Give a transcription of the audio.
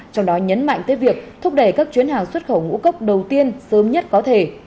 trong đó nhấn mạnh tới việc thúc đẩy các chuyến hàng xuất khẩu ngũ cốc đầu tiên sớm nhất có thể